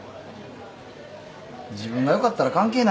自分がよかったら関係ないやん。